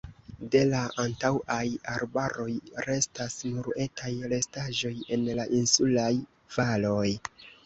De la antaŭaj arbaroj restas nur etaj restaĵoj en la insulaj valoj.